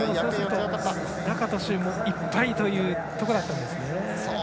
ラカトシュ、いっぱいというところだったんですね。